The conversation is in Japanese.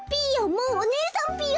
もうおねえさんぴよ！